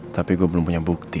tapi gue belum punya bukti